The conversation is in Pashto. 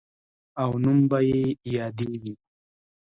او نوم به یې یادیږي.